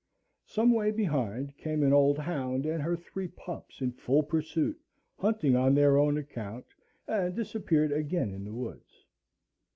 Some way behind came an old hound and her three pups in full pursuit, hunting on their own account, and disappeared again in the woods.